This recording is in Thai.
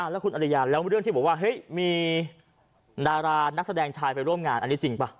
แล้วคุณอริยาแล้วเรื่องที่บอกว่าเฮ้ยมีดารานักแสดงชายไปร่วมงานอันนี้จริงป่ะ